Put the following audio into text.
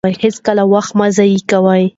هېڅکله وخت مه ضایع کوئ.